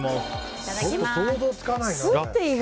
想像つかないな。